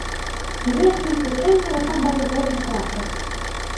У верхнім цячэнні рака мае горны характар.